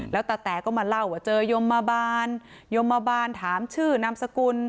แล้วตาแต๋ก็มาเล่าว่าเจอยมมาบานยมมาบานถามชื่อนามสกุล